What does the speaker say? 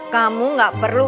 kamu gak perlu